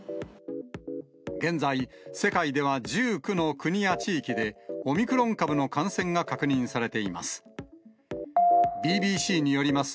現在、世界では１９の国や地域で、オミクロン株の感染が確認されています。